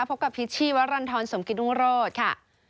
พบกับพิชชี่วรรณฑรสมกิตรุงโรธค่ะ